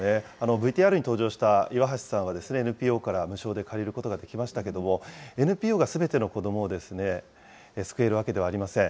ＶＴＲに登場した岩橋さんは、ＮＰＯから無償で借りることができましたけれども、ＮＰＯがすべての子どもを救えるわけではありません。